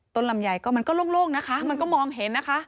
ลำไยก็มันก็โล่งนะคะมันก็มองเห็นนะคะ